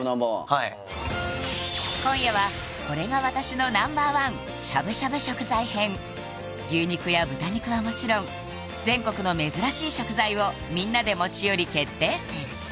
はい今夜はこれが私のＮｏ．１しゃぶしゃぶ食材編牛肉や豚肉はもちろん全国の珍しい食材をみんなで持ち寄り決定戦！